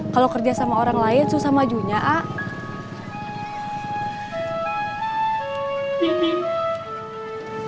kalau kerja sama orang lain susah majunya a a